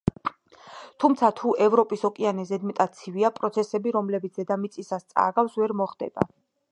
თუმცა, თუ ევროპის ოკეანე ზედმეტად ცივია, პროცესები, რომლებიც დედამიწისას წააგავს, ვერ მოხდება.